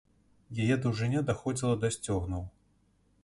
Яе даўжыня даходзіла да сцёгнаў.